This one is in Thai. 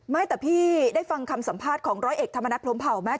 ไม่แต่พี่ได้ฟังคำสัมภาษณ์ของร้อยเอกธรรมนัฐพรมเผาไหม